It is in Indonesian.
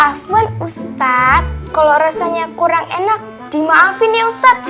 afan ustadz kalau rasanya kurang enak dimaafin ya ustadz